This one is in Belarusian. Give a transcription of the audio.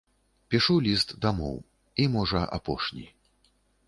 Пішу ліст дамоў, і, можа, апошні.